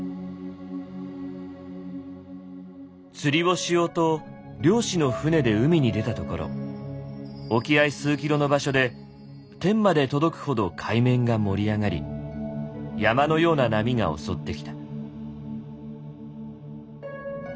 「釣りをしようと漁師の舟で海に出たところ沖合数キロの場所で天まで届くほど海面が盛り上がり山のような波が襲ってきた」。